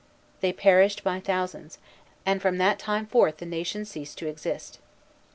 They perished by thousands, and from that time forth the nation ceased to exist.